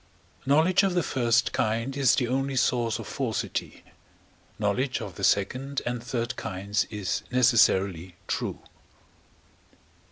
Knowledge of the first kind is the only source of falsity, knowledge of the second and third kinds is necessarily true.